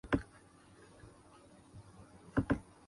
Its studios and transmitter are located at Brgy.